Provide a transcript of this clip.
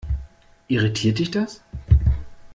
Irritiert dich das?